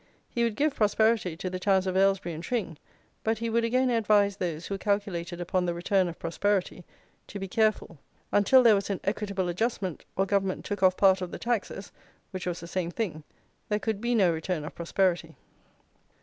He would give prosperity to the towns of Aylesbury and Tring; but he would again advise those who calculated upon the return of prosperity, to be careful. Until there was an equitable adjustment, or Government took off part of the taxes, which was the same thing, there could be no return of prosperity."